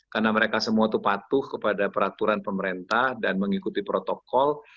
karena mereka semua itu patuh kepada peraturan pemerintah dan mengikuti protokol